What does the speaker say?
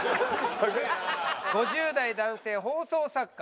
５０代男性放送作家。